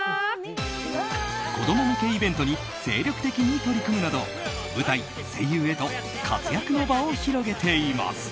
子ども向けイベントに精力的に取り組むなど舞台、声優へと活躍の場を広げています。